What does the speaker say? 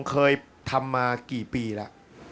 เคยทำมากี่ปีแล้ว